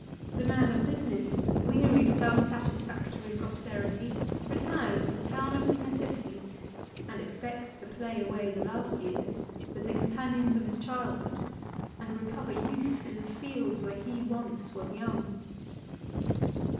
The man of business, weari< with unsatisfactory prosperity, retires to the town of l^is nativity, and expects to play away the last years with tt»* companions of his childhood, and recover youth in tli* fields where he once was young.